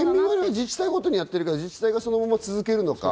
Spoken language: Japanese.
自治体ごとにやっているから自治体がそのまま続けるのか。